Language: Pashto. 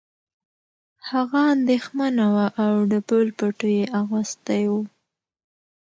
هغه اندېښمنه وه او ډبل پټو یې اغوستی و